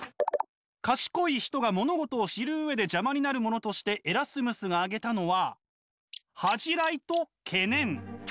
賢い人が物事を知る上で邪魔になるものとしてエラスムスが挙げたのは恥じらいと懸念。